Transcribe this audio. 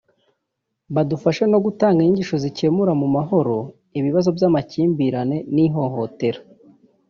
badufashe no gutanga inyigisho zikemura mu mahoro ibibazo by’amakimbirane n’ihohotera”